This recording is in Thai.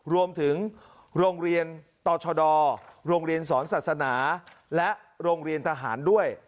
รวมถึงโรงเรียนต่อชดโรงเรียนสอนศาสนาและโรงเรียนทหารด้วย